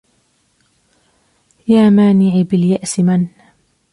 يا مانعي باليأس من